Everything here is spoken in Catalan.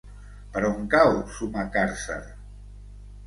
Per on cau Sumacàrcer?